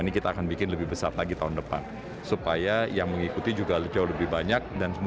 ini kita akan bikin lebih besar lagi tahun depan supaya yang mengikuti juga jauh lebih banyak dan semua